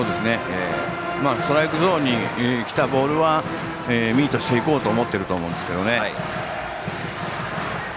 ストライクゾーンに来たボールはミートしていこうと思っていると思うんですけどね。